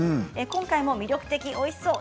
今回も魅力的、おいしそう。